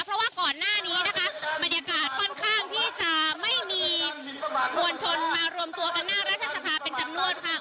เพราะว่าก่อนหน้านี้นะคะบรรยากาศค่อนข้างที่จะไม่มีมวลชนมารวมตัวกันหน้ารัฐสภาเป็นจำนวนค่ะ